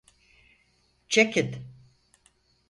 Çekin!